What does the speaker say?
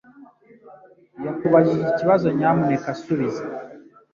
yakubajije ikibazo Nyamuneka subiza.